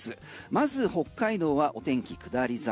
まず北海道はお天気下り坂。